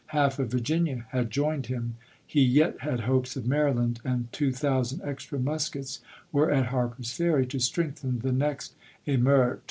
Half of Virginia had joined him. He yet had hopes of Maryland, and two thousand extra muskets were at Harper's Ferry to strengthen the next emeute.